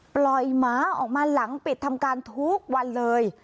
หมาออกมาหลังปิดทำการทุกวันเลย